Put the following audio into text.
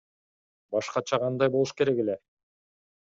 Башкача кандай болуш керек эле?